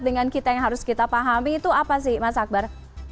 dengan kita yang harus kita pahami itu apa sih mas akbar